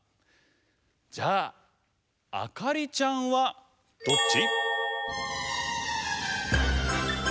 じゃああかりちゃんはどっち？